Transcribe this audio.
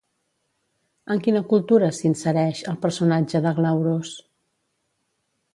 En quina cultura s'insereix, el personatge d'Aglauros?